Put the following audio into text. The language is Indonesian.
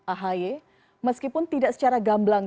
ahy meskipun tidak secara gamblang